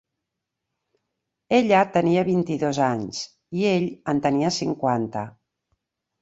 Ella tenia vint-i-dos anys i ell en tenia cinquanta.